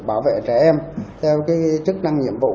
bảo vệ trẻ em theo cái chức năng nhiệm vụ